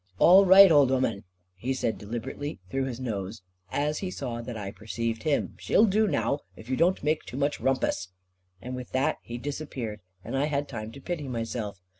"All right, old 'ooman," he said deliberately through his nose, as he saw that I perceived him, "she'll do now, if you don't make too much rumpus." And with that he disappeared, and I had time to pity myself.